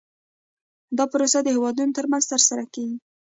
دا پروسه د هیوادونو ترمنځ ترسره کیږي